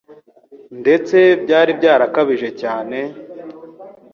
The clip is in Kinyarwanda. Ndetse byari byarakabije cyane;